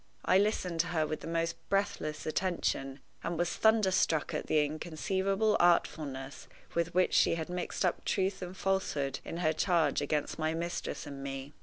I listened to her with the most breathless attention, and was thunderstruck at the inconceivable artfulness with which she had mixed up truth and falsehood in her charge against my mistress and me.